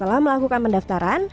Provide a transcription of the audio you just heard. setelah melakukan pendaftaran